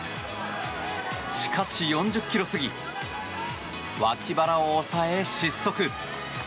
しかし、４０ｋｍ過ぎ脇腹を押さえ、失速。